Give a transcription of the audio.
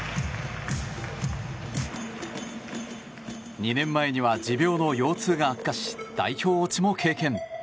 ２年前には持病の腰痛が悪化し代表落ちも経験。